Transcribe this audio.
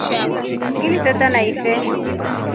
Ngili teta na ifee.